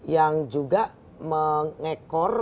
yang juga mengekor